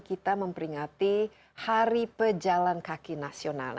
kita memperingati hari pejalan kaki nasional